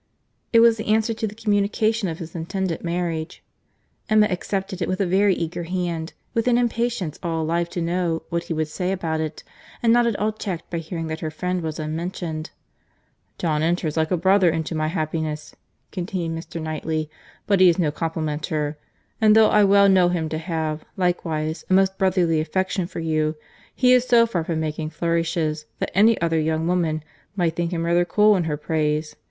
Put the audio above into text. It was the answer to the communication of his intended marriage. Emma accepted it with a very eager hand, with an impatience all alive to know what he would say about it, and not at all checked by hearing that her friend was unmentioned. "John enters like a brother into my happiness," continued Mr. Knightley, "but he is no complimenter; and though I well know him to have, likewise, a most brotherly affection for you, he is so far from making flourishes, that any other young woman might think him rather cool in her praise.